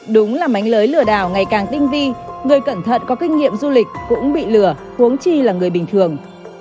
đúng là mánh lới lừa đảo ngày càng tinh vi người cẩn thận có kinh nghiệm du lịch cũng bị lừa huống chi là người bình thường